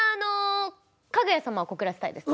『かぐや様は告らせたい』ですね。